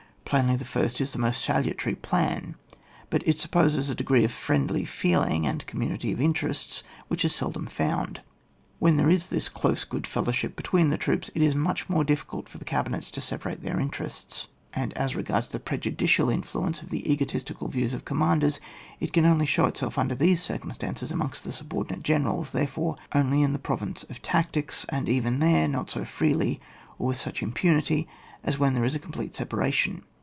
Plainly, the first is the most salutary plan; but it supposes a deg^e of friendly feeling and community of interests which is seldom found. When there is this close good fellowship between the troops, it is much more difficult for the cabinets to separate their interests ; and as regards the prejudicial influence of the egotistical views of commanders, it can only show itself under these circumstances amongst the subordinate Generals, therefore, only in the province of tactics, cmd even there not so freely or with such impunity as when there is a complete separation.